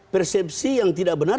persepsi yang tidak benar